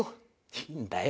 いいんだよ。